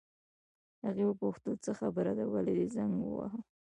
هغې وپوښتل: څه خبره ده، ولې دې زنګ وواهه؟